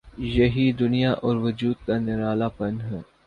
یہی دنیا اور وجود کا نرالا پن ہے۔